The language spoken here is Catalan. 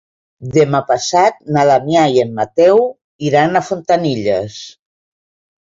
Demà passat na Damià i en Mateu iran a Fontanilles.